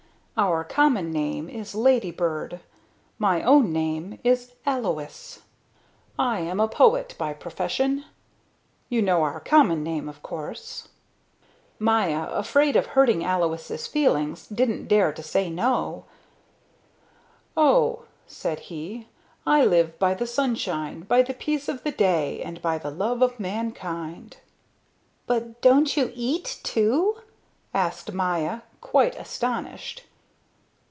Our common name is ladybird, my own name is Alois, I am a poet by profession. You know our common name, of course." Maya, afraid of hurting Alois' feelings, didn't dare to say no. "Oh," said he, "I live by the sunshine, by the peace of the day, and by the love of mankind." "But don't you eat, too?" asked Maya, quite astonished.